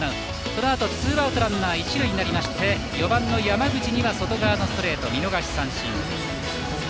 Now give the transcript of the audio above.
このあとツーアウトランナー一塁となって、４番の山口には外側のストレート見逃し三振。